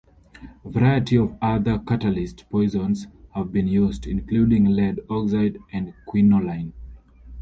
A variety of other "catalyst poisons" have been used, including lead oxide and quinoline.